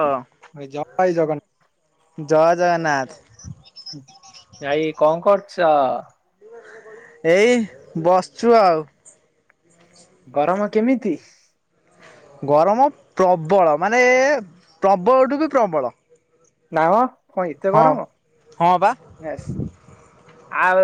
ହ ଭାଇ ଜୟ ଜଗନ୍ନାଥ। ଜୟ ଜଗନ୍ନାଥ [inaudible] ଖବ [inaudible] ଏଇ ବସିଛୁ ଆଉ ହ [inaudible] ଗରମ କେମିତି? ଗରମ ପ୍ରବଳ ନାଁ ମ କ'ଣ ଏତେ ହଁ ଗରମ ହଁ ବା ୟେଶ ଆଉ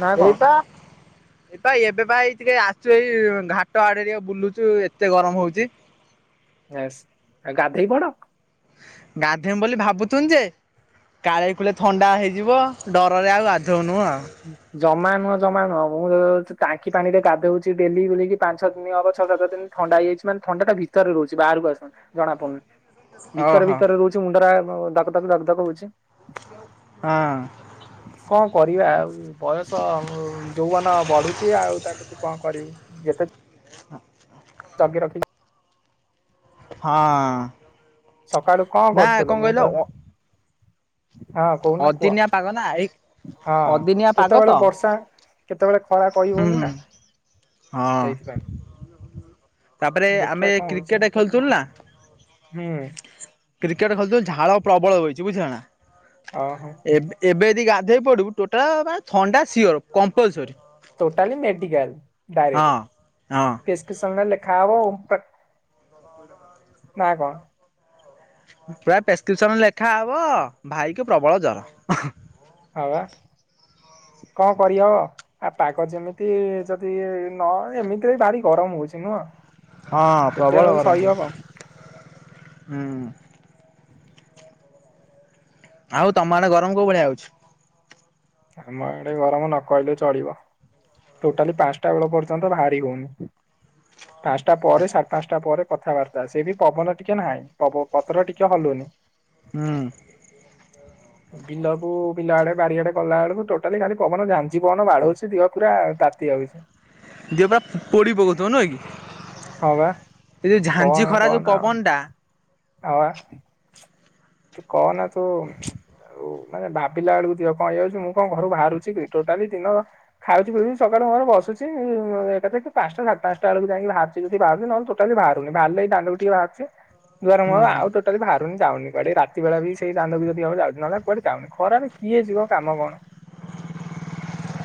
ନା କଣ ଏଇ ତ ଏଇ ତ ଏବେ ଭାଇ ଟିକେ ଆସଚୁ ଏଇ ଘାଟ ଆଡେ ଟ ବୁଲୁଚୁ ଏତେ ଗରମ ହଉଛି ଆଉ ଗାଧେଇ ପଡ ଗାଧେଇମି ବୋଲି ଭାବୁଥିନି ଯେ ନୂଆ ଜମା ନୁହଁ ଜମା ନୁହଁ ମୁଁ ଟାଙ୍କି ପାଣି ରେ ଗାଧଉଛି ଡେଲି ବୁଲିକି ପାଞ୍ଚ ଅ ଦିନ ହବ ଛଅ ସାତ ଦିନ ଥଣ୍ଡା ହେଇଯାଇଛି ମାନେ ଥଣ୍ଡାଟା ଭିତରେ ରହୁଛି ବାହାରକୁ ଆସୁ ଜଣା ପଡୁନି ଭିତରେ ଓହୋ। ଭିତରେ ରହୁଛି ମୁଣ୍ଡା ଡାକ ତାକୁ ଦାକ କ ହଉଛି। ହଁ। କରିବାଉ ବୟସ ଯୋଉବନ ବଢୁଛି ଆଉ ତାକୁ ତୁ କଣ କରିବୁ ଯେତେ ହଁ। ଚା ରଖେ ହଁ। ସକାଳୁ କଣ ନା କରୁଥିଲୁ ମୁଁ କହିଲ ତ ଅ ହଁ କହୁନା କୁହ ଅଦିନିଆ ପାଗ ନା ଏଇ ହଁ ଅଦିନିଆ ପାଗ ତ କେତେବେଳେ ବର୍ଷା କେତେବେଳେ ଖରା ହୁଁ କହିବଉନି ନା ହଁ ସେଇଥିପାଇଁ ତାପରେ ଦେଖିବା ଆମେ କଣ ହଉଛି କ୍ରିକେଟ ଖେଳୁଥିଲୁ ନା ହୁଁ। କ୍ରିକେଟ ଖେଳଥିଲ ଝାଳ ପ୍ରବଳ ହୋଇଇଛି ବୁଝିଲା ନା ଅ ହୋ ଏବେ ଏବେ ଯଦି ଗାଧୋଇ ପଡ଼ିବୁ ଟୋଟାଲ ମାନେ ଥଣ୍ଡା ସିଓର କମ୍ପଲସରରି ଟୋଟାଲି ମେଡିକଲ ହଁ। ହଁ ଡାଇରେକ୍ଟ କେକ ଖବ ନା କଣ? ପୁରା ପ୍ରେସକ୍ରିପସନ ଲେଖା ହବ ଭାଇ କ ପ୍ରବଳ ଜର ହଁ ବା କଣ କରବ ଆ ପାାଗ ଯେମିତି ଯଦି ନ ଏମିତିରେ ଭାରି ଗରମ ହଉଛି ନୁହଁ। ହଁ କେତେ ପ୍ରବଳ ଆଉ ବରମ୍ ସହିହବ ହୁଁ। ଆଉ ତମ ଆଡେ ଗରମ କୋଉ ଭଳିଆ ଯାଉଛି। ଆମ ଏଡେ ଗରମ ନ କହିଲୁ ଚଳିବ ଟୋଟାଲି ପାଞ୍ଚଟା ବେଳ ପର୍ଯ୍ୟନ୍ତ ବାହାରି ହଉନି ପାଞ୍ଚଟା ପରେ ସାଢେ ପାଞ୍ଚଟା ପରେ କଥାବାର୍ତ୍ତା ସେ ବି ପବନ ଟିକେ ନାହିଁ ପବ ପତ୍ର ଟିକେ ହଲୁନି ହଁ। ବିଲକୁ ବ ଆଡେ ବାରିଆଡେ ଗଲା ବେଳକୁ ଟୋଟାଲି ଖାଲି ପବନ ଝାଞ୍ଜି ପବନ ବାଢଉଛି ଦିବା ପୁରା ତାତି ଯାଉଛି। ଦିଅ ପା ପଡି ପକଥିବ ନୁହଁ କି ହଁ ବା ଏ ଯୋଉ ଝାଞଜି କହନା ଖରା ଯୋଉ କହନା ଆଉ ପବନ ଟା ହଁ ପା ତୁ କହନା ତ ଆଉ ମାନେ ଭାବିଲା ବେଳକୁ ଦିିବ କଣ ହେଇଯାଉଛି ମୁଁ କଣ ଘରୁ ବାହାରୁଛି ଟୋଟାଲି ଦିନ ଖାଉଛି ପିଛି ସକାଳୁ ଘର ବସୁଛି ଏକା ପାଞ୍ଚଟାାତ ପାଞ୍ଚଟା ବେଳକୁ ଯାଇି ବାହାରୁଛି ଯଦି ବାହାରୁଛି ନହେଲେ ଟୋଟା ବାହାରୁନି ବାହାରିଲେି ଦାଣ୍ଡରୁ ଟିକେ ବାହାରୁଛି। ଗରମ ହୁଁ ହୁଁ। ଆଉ ଟୋଟାଲି ଭ ଯାଉନି କୁଆଡେ ରାତି ବେଳା ବି ସେଇ ଦାଣ୍ଡ କୁ ବି ଯଦି ହବ ଯାଉଛି। ନହେଲେ କୁଆଡେ ଆଉ ଯାଉନି ଖରାରେ କିଏ ଯିବ କାମ କଣ?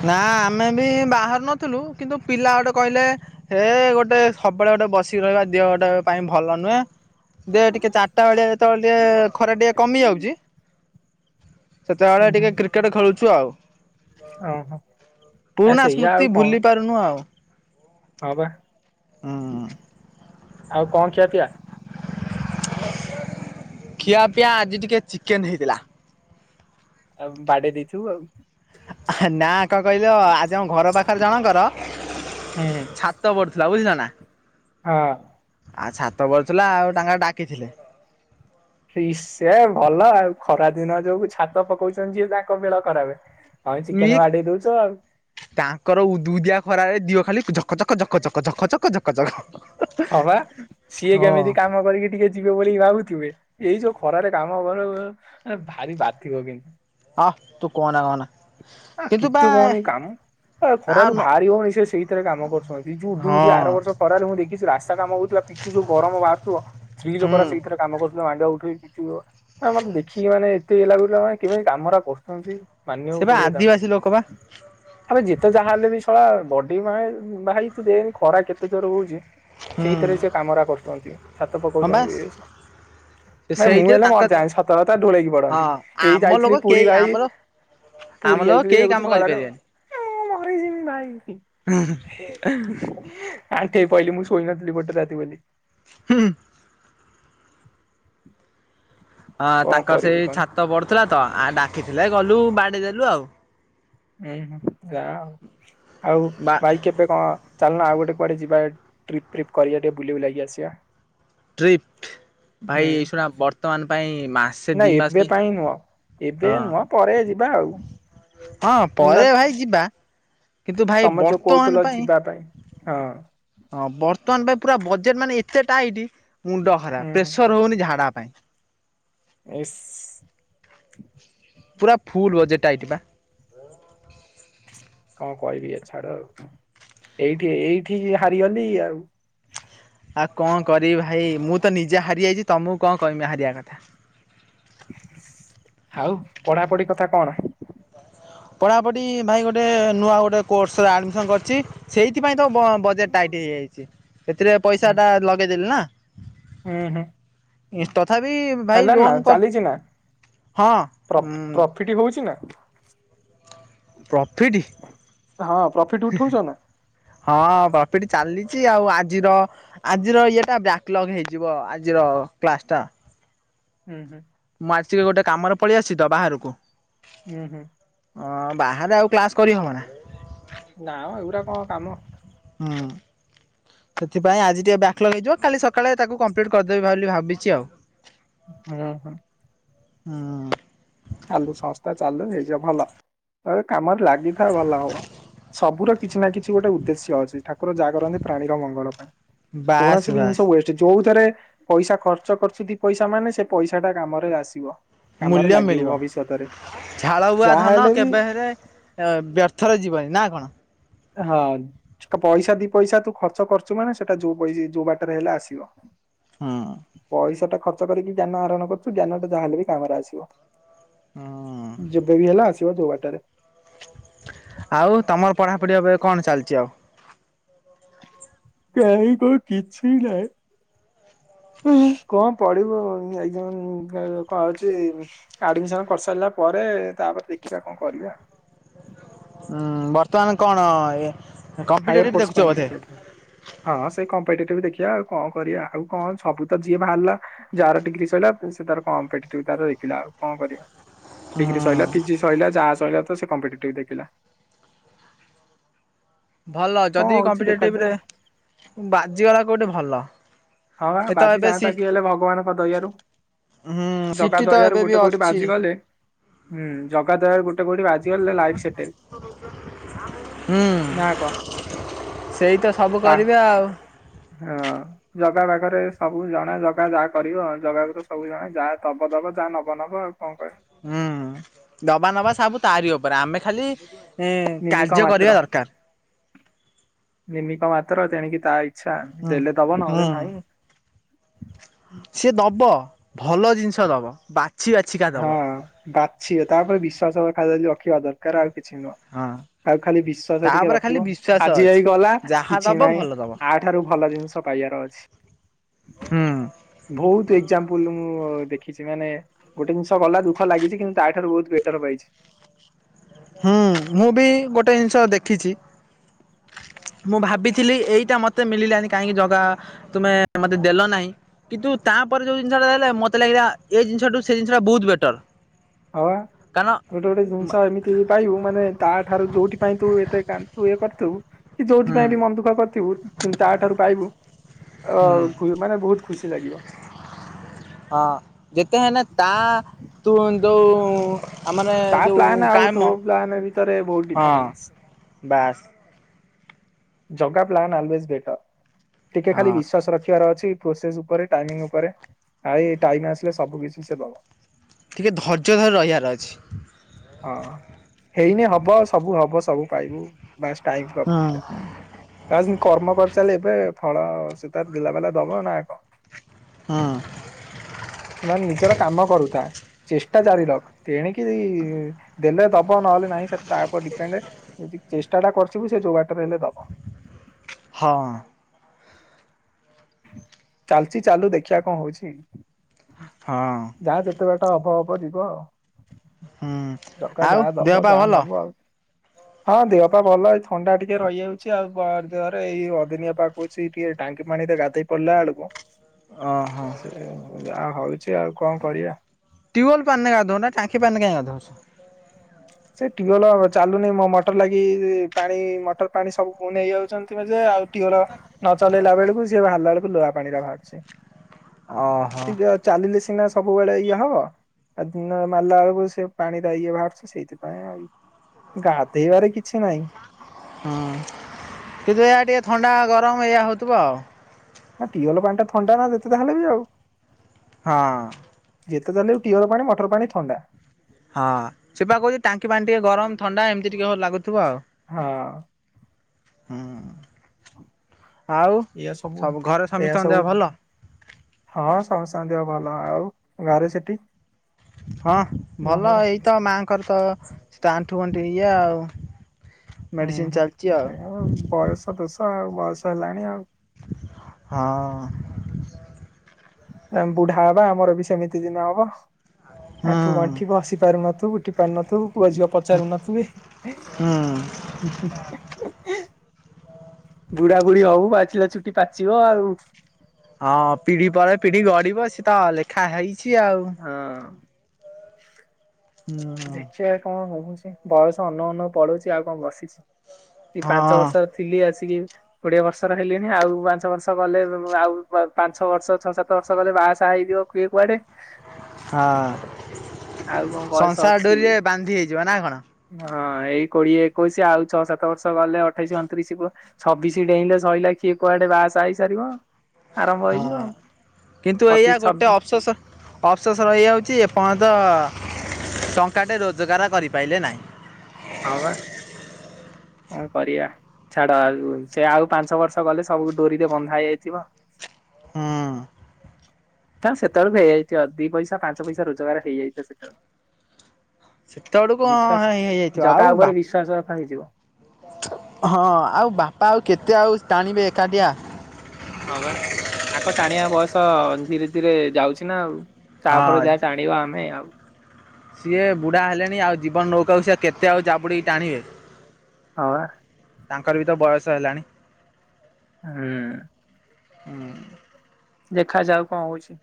ନା ଆମେ ବି ବାହାରୁ ନଥିଲୁ କିନ୍ତୁ ପିଲା ଗୋଟେ କହିଲେ ହେ ଗୋଟେ ସବୁବେଳେ ଗୋଟେ ବସିକି ରହିବା ଦିହ ଗୋଟେ ପାଇଁ ଭଲ ନୁହେଁ। ଦେ ଟିକେ ଚାରିଟା ବେଳିଆ ଯେତେବେଳେ ଟିକେ ଖରା ଟିକେ କମି ଯାଉଛି। ସେତେଏଳେ ହୁଁ ହୁଁ। ଟିକେ କ୍ରିକେଟ ଖେଳୁଛୁ ଆଉ। ଆଉ, ଓହୋ ଆ ପୁରୁଣା ସେଇଆ ସ୍ମୃତି କଣ ଭୁଲି ପାରୁନୁ ଆଉ। ହଁ ବା ହୁଁ ଆଉ କଣ ଖିଆ ପିଆ? ଖିଆ ପିଆ ଆଜି ଟିକେ ଚିକେନ ହେଇଥିଲା। ଆ ବାଡ଼େଇ ଦେଇଥିବୁ ଆଉ। ନା କଣ କହିଲ ଆଜି ଆମ ଘର ପାଖରେ ଜଣଙ୍କର ହୁଁ। ଛାତ ପଡୁଥିଲା ବୁଝିଲ ନା ହଁ। ଆଚ୍ଛା ଛାତ ପଡୁଥିଲା ଆଉ ତାଙ୍କର ଡାକିଥିଲେ। ସେ ଭଲ ଆଉ ଖରା ଦିନ ଯୋଉ ଛାତ ପକଉଛନ୍ତି ଯିଏ ତାଙ୍କ ବେଳ ଖରାପେ । ହଁ ଇ ଚିକେନ ବାଡ଼େଇ ଦଉଚ ଆଉ। ଦୁ ଦିଆ ଖରାରେ ଦିଅ ଖାଲି ଜକ ଜକ ଜକ ଜକ ଝକ ଜକ ଝକ ଚକ। ହଁବା ସିଏ କେମିତି କାମ କରିକି ଟିକେ ଯିବ ବୋଲି ଭାବୁଥିବେ ଏଇ ଯୋଉ ଖରାରେ କାମ ହ [unintelligible] ଭାରି ବାଧିବ କିନ୍ତୁ। ଆଃ ତୁ କହନା କହନା। ଆଃ, କିନ୍ତୁ ବା କେତେ କହନି କାମ ଆଉ ଖରାରୁ ନ ବାହାରି ହବନି ସେ ସେଇଥିରେ କାମ କରୁଛନ୍ତି ଯୋଉ ଉଦୁ ହଁ ଉଦିଆ ଖରାରେ ଆର ବର୍ଷ ଖରାରେ ମୁଁ ଦେଖିଛି ରାସ୍ତା କାମ ହଉଥିଲା ପିଚୁ ଯୋଉ ଗରମ ବାହାରୁଥିବ ସ୍ତ୍ରୀ ହୁଁ ଲୋକ ସେଇଥିରେ କାମ କରୁ ମାଣ୍ଡିଆ ଉଠେଇକି। [unintelligible] ମତେ ଦେଖିକି ମାନେ ଏତେ ଇଏ ଲାଗୁଥିଲା କେମିତି କାମରା କରୁଛନ୍ତି? ସେ ମାନିବାକୁ ବା ପଡ଼ିବ ତାଙ୍କୁ। ଆଦିବାସୀ ଲୋକ ବା ଆବେ ଯେତେ ଯାହା ହେଲେ ବି ଶଳା ବଡି ମାଏ ଭାଇ ତୁ ଦେନ୍ ଖରା କେତେ ଥର ହଉଛି। ହୁଁ। ସେଇଥିରେ ସେ କାମରା କରୁଛନ୍ତି। ସାତ ହଁ ବା ପକଉଛନ୍ତି ଭାଇ ମୁଁ ସେଇଥିରେ ହେଲେ ତାଙ୍କ ମରଯାନ୍ତି, ସତ କଥା ଢ଼ୋଳେଇକି ହଁ ପଡନ୍ତି। ଏଇ ଆମ ଯାଇଥିଲି ଲୋକ ପୁରୀ କେହି ଭାଇ ଆମର ଆମ ପୁରୀ ଲୋକ ଯାଇଥିଲି କେହି ଦେଖୁଛି କାମ ଖରାରେ କରିପାରିବେନି। ମୁଁ ମରିଯିବି ଭାଇ । ପଇଲି ମୁଁ ଶୋଇ ନଥିଲ ଗୋଟେ ରାତିବୋଲି। ହୁଁ ହୁଁ। [inaudible] ହଁ କଣ ତାଙ୍କର କରିବୁ ସେଇ କହନି ଛାତ ବଢୁଥିଲା ତ ଆ ଡା ଖିଥିଲା ଗଲୁ ବାଡ଼ି ଦେଲୁ ଆଉ। ହୁଁ ହୁଁ। ଯା ଆଉ ବା ଭାଇ କେବେ କଣ? ଚାଲ ନା ଆଉ ଗୋଟେ କୁଆଡେ ଯିବା ଟ୍ରିପ୍ ଫ୍ରିପ୍ କରିବା ଟିକେ ବୁଲିବୁଲାକି ଆସିବା। ଟ୍ରିପ୍ଟ ଭାଇ ହୁଁ ଏସୁଟା ବର୍ତ୍ତମାନ ପାଇଁ ମାସେ ନା ଦି ମାସ ଏବେ ପାଇଁ ନୁହ ଏବେ ହଁ ନୁହ ପରେ ଯିବା ଆଉ‌। ହଁ ପରେ ଭାଇ ଯିବା କିନ୍ତୁ ଭାଇ ତମେ ଯୋଉ ବର୍ତ୍ତମାନ କହୁଥିଲ ଯିବା ପାଇଁ ହଁ।। ହଁ ବର୍ତ୍ତମାନ ପାଇଁ ପୁରା ବଜେଟ ମାନେ ଏତେ ଟାଇଠ। ମୁଣ୍ଡ ହୁଁ ଖରାପ ହୁଁ ପ୍ରେସର ହଉନି ଝାଡା ପାଇଁ। ଏସ୍ ପୁରା ଫୁଲ ବ ଯେଟାଇଟ ବା କଣ କହିବି ଏ ଛାଡ ଆଉ ଏଇଠି ଏଇଠି ହାରିଗଲି ଆଉ। ଆଉ କଣ କରିବି ଭାଇ ମୁଁ ତ ନିଜେ ହାରିଯାଇଛି ତମକୁ କଣ କମି ହାରିବା କଥା। ଆଉ ପଢାପଢି କଥା କଣ? ପଢ଼ାପଢ଼ି ଭାଇ ଗୋଟେ ନୂଆ ଗୋଟେ କୋର୍ସରେ ଆଡମିସନ କରିଛି ସେଇଥିପାଇଁ ତ ବଜେଟ ଟାଇଟ ହେଇଯାଇଛି ଏଥିରେ ପଇସା ହୁଁ ଟା ଲଗେଇଦେଲେ ନା? ା ହେଲା ନା ଚାଲିଛି ନା ହଁ ଉଁ ପ୍ରଫିଟ ହଉଛି ନା? ପ୍ରାପ୍ ହଁ ପ୍ରୋଫିଟ ଉଠାଉଛ। ହଁପି ଚାଲିଛି ଆଉ ଆଜିର ଆଜିର ଇଏଟା ବ୍ୟାକ୍ଲଗ ହେଇଯିବ ଆଜିର କ୍ଲାସ ଟା ହୁଁ ହୁଁ ମୁଁ ଆସିକି ଗୋଟେ କାମରେ ପଳେଇ ଆସି ତ ବାହାରକୁ ହୁଁ ହୁଁ ହଁ ବାହାରେ ଆଉ କ୍ଲାସ କରିହବନା? ନାଉ ଏଉୁରା କଣ କାମ। ହଁ ସେଥିପାଇଁ ଆଜି ଟିକେ ବ୍ୟାକ୍ଲ ହେଇଯିବ କାଲି ସକାଳେ ତାକୁ କମ୍ପ୍ଲିଟ୍ କରିଦେବି ବୋଲି ଭାବିଛି ଆଉ। ହଁ ହଁ ହଁ ଚାଲୁ ସଂସ୍ଥା ଚାଲୁ ହେଇଯ ଭଲ ତ କାମର ଲାଗ। ଥା ଭଲ ହବ ସବୁୁର କିଛି ନା କିଛି ଗୋଟେ ଉଦ୍ଦେଶ୍ୟ ଅଛି ଠାକୁର ଯା କରନ୍ତି ପ୍ରାଣର ମଙ୍ଗଳ ପାଇଁ ବାସ୍ କୌଣସି ବି ଜିନିଷ ବାସ୍ ହୁଏଛି ଯୋଉ ରେ ପଇସା ଖର୍ଚ୍ଚ କରୁଚ ଦି ପଇସା ମାନେ ସେ ପଇସା ଟା କାମରେ ଆସିବ। କାମରେ ଲାଗି ମିଳ ଝାଳବୁଆ ଧନ ହେଲେ ବି କେବେ ହେଲେ ବ୍ୟର୍ଥରେ ଯିବନି ନା କଣ? ହଁ ପଇସା ଦି ପଇସା ତୁ ଖର୍ଚ୍ଚ କରୁଛୁ ମାନେ ସେଟା ଯୋଉ ପଇସା ଯୋଉ ବାଟରେ ହେଲେ ଆସିବ। ହୁଁ ପଇସା ଟା ଖର୍ଚ କରିକି ଜ୍ଞାନ ଆରୋଣ କରୁଛୁ ଜ୍ଞାନଟା ଯାହାହଲେ ବି କାମରେ ଆସିବ। ହୁଁ ଯେବେ ବି ହେଲା ଆସି ଯ ଯଉ ବାଟରେ ଆଉ ତମର ପଢାପଢି ଏବେ କଣ ଚାଲିଛି ଆଉ? କାହିଁକଣ କିଛି ନାହିଁ କଣ ପଢିବୁ କଣ ହଉଛି ଆଡମିସନ କରିସାରିଲା ପରେ ତାପରେ ଦେଖିବା କଣ କରିବା। ହୁଁ ବର୍ତ୍ତମାନ କଣ ଏ ହାଏରେ ପୋଷ୍ଟ ପାଇଁ ହଁ ସେଇ ଙ୍କମ୍ପେଟର ଦେଖିବା ଆଉ କଣ କରିବା ଆଉ କଣ ସବୁ ତ ଯିଏ ବାହାରିଲା ଯାର ଡିଗ୍ରୀ ସିରିଲା ସେ ତାର କମ ଦେଖିଲା ଆଉ କଣ କରିବା? ଡିଗ୍ରୀ ସରିଲା, ହୁଁ ପିଜି ସହିଲା, ଯାହା ସହିଲା ତ ସେ କମ୍ପିଟେଟିଭ ଦେଖିଲା। ଭଲ କଣ ଯଦି ହଉଛି କମ୍ପିଟେଟିଭ ଦେଖାଯାଉ। ରେ ବାଜିଗଲା କୋଉଠି ଭଲ। ହଁ ଏ ତ ବାଜି ଏବେ ସି ଯାଆନ୍ତା କି ହେଲେ ଭଗବାନଙ୍କ ଦୟଆରୁ ହୁଁ ଜଗା ସିଟି ତ ଦୟାରୁ ଏବେ ବି ଗୋଟେ କୋଉଠି ଅଛି। ବାଜି ଗଲେ ହୁଁ ଜଗା ଦୟାରୁ ଗୋଟେ କୋଉଠି ବାଜି ହୁଁ ନା କଣ ସେଇ ତ ସବୁ ତା କରିବେ ଆଉ। ହଁ ଜଗା ପାଖରେ ସବୁ ଜଣା ଜଗା ଯାହା କରିବ ଜଗା ପାଖରେ ସବୁ ଜଣା ଯାହା ଦବ ଦବ ଯାହା ନବ ନବ ଆଉ କଣ କହିବ? ହୁଁ ଦବା ନବା ସବୁ ତାରି ଉପରେ ଆମେ ଖାଲି ହୁଁ ନିମିକ କାର୍ଯ୍ୟ ମାତ୍ର କରିବା ଦରକାର। ନିମିକ ମାତ୍ର ତେଣିକ ତାଈ ଇଛା ହୁଁ ଦେଲେ ଦେବ ନହେଲେ ହୁଁ। ନାଇ। ସିଏ ଦବ ଭଲ ଜିନିଷ ଦବ ବାକି ହଁ ବାଛିବ ତାପରେ ବିଶ୍ଵାସ ଖାଲି ରଖିବା ଦର କାର ଆଉ। କିଛି ନୁହଁ ହଁ। ଆଉ ଖାଲି ବିଶ୍ୱାସ ଟିକେ ତାପରେ ରଖିବ ଖାଲି ବିଶ୍ଵାସ ଆଜି ଅଛି ହେଇ ଗଲା ଯାହା କିଛି ଦବ ନହିଁ ଭଲ ଦବ ଆ ଠାରୁ ଭଲ ଜିନିଷ ପାଇବାର ଅଛି ହୁଁ। ବହୁତ ଏକଜମ୍ପୂଲ୍ ମୁଁ ଦେଖିଛି ମାନେ ଗୋଟେ ଜିନିଷ ଗଲା ଦୁଃଖ ଲାଗିଛି କିନ୍ତୁ ତାଠାରୁ ବହୁତ ବେଟର ପାଇଛି। ହୁଁ ମୁଁ ବି ଗୋଟେ ଜିନିଷ ଦେଖିଛି ମୁଁ ଭାବିଥିଲି ଏଇଟା ମତେ ମିଳିଲାନି କାହିଁକି ଜଗା ତୁମେ ମତେ ଦେଲ ନାହିଁ କିନ୍ତୁ, ତାପରେ ଯୋଉ ଜିନିଷ ଟା ଦେଲେ ମତେ ଲାଗିଲା ଏଇ ଜିନିଷଠୁ ସେ ଜିନିଷା ବହୁତ ବେଟର। ହଁ ବା କାରଣ ଗୋଟେ ଗୋଟେ ଜିନିଷ ଏମିତି ପାଇବୁ ମାନେ ତା ଠାରୁ ଯୋଉଠି ପାଇଁ ତୁ ଏତେ କାନ୍ଦୁଥିବୁ ଇଏ କରିଥିବୁ କି ହୁଁ ଯୋଉଥିପାଇଁ ବି ମନ ଦୁଃଖ କରିଥିବୁ କିନ୍ତୁ ତାଠାରୁ ପାଇବୁ ଆ ହୁଁ ମାନେ ବହୁତ ଖୁସି ଲାଗିବ। ହଁ ତଉ ତା ପ୍ଲାନ ଆଉ ତୋ ପ୍ଲାନ ଭିତରେ ବହୁତ ହଁ ଡିଫରେନ୍ସ। ବାସ୍ ଜଗା ପ୍ଲାନ୍ ଆଲୱସ୍ ବେଟର୍। ଟିକେ ଖାଲି ହଁ। ବିଶ୍ଵାସ ରଖିବାର ଅଛି। ପ୍ରୋସେସ ଉପରେ ଟାଇମିଙ୍ଗ ଉପରେ ଟାଇମ ଆସିଲେ ସବୁ କିଛି ସେ ଦବ। ଟିକେ ଧୈର୍ଯ୍ୟ ଧରି ରହିବାର ଅଛି। ହଁ ହେଇନି ହବ ସବୁ ହବ ସବୁ ପାଇବୁ। ବାସ୍ ଟାଇମ କୁ ହଁ ଅପେକ୍ଷା। କର୍ମ କରି ଚାଲେ ଏବେ ଫଳ ସେ ତାର ଦେଲା ବଲା ଦବ ନା କଣ? ହଁ ମାନେ ନିଜର କାମ କରୁଥାଏ। ଚେଷ୍ଟାଜାରି ରଖ୍ ତେଣିକି ଦେଲେ ଦବ ନହେଲେ ନାହିଁ ସେଟା ତା ଉପରେ ଡିପେଣ୍ଡ ଯଦି ଚେଷ୍ଟା ପଟା ଟା କରିଥିବୁ ସେ ଯଉ ବାଟରେ ହେଲେ ଦବ। ହଁ। ଚାଲିଚି ଚାଲୁ ଦେଖିବା କଣ ହଉଛି। ହଁ ଯାହା ଯେତେବେଳେ ତାହା ହବ ହବ ଯିବ ଆଉ। ହୁଁ ଜଗା ଆଉ ଯାହା ଦବ ଦେହ ପା ଯାହା ଭଲ। ନବ ଆଉ ହଁ ଦେହ ପା ଭଲ ଏଇ ଥଣ୍ଡା ଟିକେ ରହିଯାଉଛି ଆଉ ଦେହରେ ଏଇ ଅଦିନିଆ ପାଗ ଅଛି ଟିକେ ଟାଙ୍କି ପାଣି ରେ ଗାଧେଇ ପଡିଲା ବେଳକୁ ଓହୋ ସେଇଆ ଆଉ କି ଯେ ଆଉ କଣ କରିବା। ଟ୍ୟୁଲ ପାଣୀରେ ଗାଧଉନ ଟାଙ୍କି ପାଣି ରେ କାଇଁ ଗାଉଛ। ସେ ଟ୍ୟୁବଲ ଚାଲୁନି ମୋ ମଟର ଲାଗି ପାଣି ମଟର ପାଣି ସବୁ ନେଇ ଯାଉଛନ୍ତି ଆଉ ଟିଅଲ ନ ଚଲେଇଲା ବେଳକୁ ସିଏ ବାହାରିଲା ବେଳକୁ ଲୁହା ପାଣିରା ବାହାରୁଚି। ଓହୋ ଚାଲିିଲେ ସିନା ସବୁବେଳେ ଇଏ ହବ ଆ ଦିନ ମାରିଲା ବେଳକୁ ସେ ପାଣି ଟା ଇଏ ବାହାରୁଛ ସେଇଥି ଗାଧେଇବାରେ କିଛି ନାହିଁ। ହୁଁ କିନ୍ତୁ ଏହା ଟିକେ ଥଣ୍ଡା ଗରମ ଏଇଆ ହଉଥିବ ଆଉ। ନା ଟିଅଲ ପାଣି ଟା ଥଣ୍ଡା ନା ଯେତେ ଯାହାହେଲେ ବି ଆଉ। ହଁ। ଟିଅଲ ପାଣି ମଟର ପାଣି ଥଣ୍ଡା। ହଁ ସେ ପା କହୁଛି ଟାଙ୍କି ପାଣି ଟିକେ ଗରମ ଥଣ୍ଡା ଏମିତି ଟିକେ ଲାଗୁଥିବ ଆଉ। ହଁ। ହଁ। ଏଇଆ ସବୁ ଘରେ ଏଇଆ ସମସ୍ତଙ୍କ ଦେହ ସବୁ ଭଲ? ହଁ ସମସ୍ତଙ୍କ ଦେହ ଭଲ ଆଉ ଗାଁରେ ସେଠି। ହଁ ଭଲ ଘରେ ଏଇତ ମାଆଙ୍କର ତ ତା ଆଣ୍ଠୁ ଗଣ୍ଠି ଏଇଆ ଆଉ। ହୁଁ ମେଡିସିନ ହଁ ଚାଲିଛି ଆଉ ସେ ବୟସ ଦୋଷ ଆଉ। ବୟସ ହେଲାଣି ଆଉ। ହଁ। ଆମେ ବୁଢା ହବା ଆମର ବି ସେମିତି ଦିନ ହବ। ହୁଁ ଆଣ୍ଠୁ ଗଣ୍ଠି ବସିପାରୁ ନଥିବୁ ଉଠି ପାରୁ ନଥୁବୁ। ପୁଅ ଝିଅ ପଚାରୁନଥିବେ। ହୁଁ। ବୁଢା ବୁଢୀ ହଉ ପାଚିଲା ଚୁଟି ପାଚିବ ଆଉ। ହଁ ପିଢି ପରେ ପିଢି ଗଢିବ ସେ ତ ଲେଖା ହେଇଛି। ଚି ଆଉ ହଁ ହୁଁ ଦେଖିବା କଣ ହଉ। ବୟସ ଅନ ଅନନ୍ନ ପଡୁଛି ଆଉ କଣ ବସିଛି। ସେ ପାଞ୍ଚ ହଁ ବର୍ଷରେ ଥିଲି ଆ। କୋଡିଏ ବର୍ଷର ହେଲେଣି ଆଉ ପାଞ୍ଚ ବର୍ଷ ଗଲେ ଆଉ ପାଞ୍ଚ ବର୍ଷ ଛଅ ସାତ ବର୍ଷ ଗଲେ ବାହା ସାହା ହେଇଯିବ କିଏ କୁଆଡେ। ହଁ ଆଉ କଣ ବୟସ ସଂସାର ଅଛି ଡୋରିରେ ବାନ୍ଧି ହେଇଯିବା ନା କଣ? ହଁ ଏଇ କୋଡିଏ ଏକୋଇଶି ଆଉ ଛଅ ସାତ ବର୍ଷ ଗଲେ ଅଠେଇଶି ଅଣତିରିଶ ଛବିଶି ଡେଇଁଲେ ସରିଲା ଖିଏ କୁଆଡେ ବାହାସ ହେଇସାରିବ। ଆରମ୍ଭ ହଁ ହେଇଯିବ। କିନ୍ତୁ ଏଇଆ ପଚିଶ ଛବ ଗୋଟେ ଅଫସେଷ ଅଫସେସ ଏଇଆ ହଉଛିଞ୍ଚ। ତ ଟଙ୍କାଟେ ରୋଜଗାର କରିପାରିଲେ ନାହିଁ। ବା ହଁ କରିବା ଛାଡ ସେ ଆଉ ପାଞ୍ଚ ବର୍ଷ ଗଲେ ସବୁ ଡୋରିରେ ବନ୍ଧା ହେଇଯାଇଥିବ। ହଁ ନା ସେତେବେଳେ ବି ହେଇଯାଇଥିବ ଦି ପଇସା ପାଞ୍ଚ ପଇସା ରୋଜଗାର ହେଇଯାଇଥିବ ସେତେବେଳଳେ ସେତେବେଳକୁଇ ହେଇଯାଇଥିବ ଜଗା ଆଉ ଉପରେ ବାପ ବିଶ୍ଵାସ ରଖା ହେଇଯିବ। ହଁ ଆଉ ବାପା ଆଉ କେତେ ଆଉ ଟାଣିବେ ଏକାଠିଆ। ହଁ ପା ସାଙ୍କ ଟାଣିବା ତ ଧୀରେ ଧୀରେ ଯାଉଛି ନା ଆଉ। ହଁ। ତାଫରେ ଯାହା ଟାଣିବା ଆମେ ଆଉ। ସିଏ ବୁଢା ହେଲେଣି ଆଉ ଜୀବନ ନଉକାକୁ ସିଏ କେତେ ଆଉ ଚାବୁଡ଼ି କି ଟାଣିବେ। ହଁ ପା। ତାଙ୍କର ବି ତ ବୟସ ହେଲାଣି। ହୁଁ। ହୁଁ। ଦେଖାଯାଯାଉ କଣ ହଉଛି।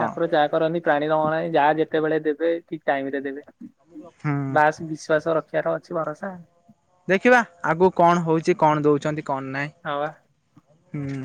ଠକୁର ଯା କରନି ପ୍ରାୟ। ଯାହା ଯେତେବେଳେ ଦେବେ ଠିକ ଟାଇମ ରେ ଦେବ ହୁଁ। ବାସ ବିଶ୍ଵାସ ଚେହରା ଅଛି ଭରସା। ଦେଖିବା ଆଗକୁ କଣ ହଉଛି କଣ ଦଉଛନ୍ତି କଣ ହଁ ବା। ନାହିଁ ହୁଁ।